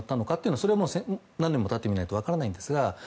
それは千何年も経たないと分からないですが。